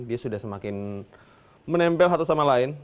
dia sudah semakin menempel satu sama lain